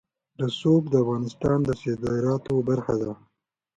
رسوب د افغانستان د صادراتو برخه ده.